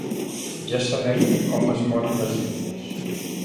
Ja sabem com es moren les llengües.